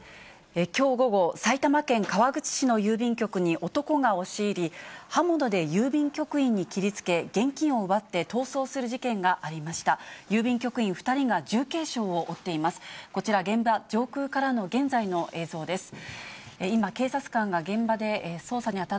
きょう午後、埼玉県川口市の郵便局に男が押し入り、刃物で郵便局員に切りつけ、現金を奪って逃走する事件がありました。